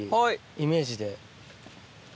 イメージで。